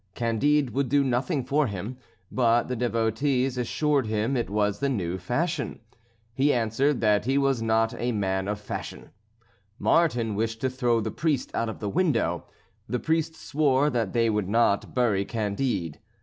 Candide would do nothing for him; but the devotees assured him it was the new fashion. He answered that he was not a man of fashion. Martin wished to throw the priest out of the window. The priest swore that they would not bury Candide.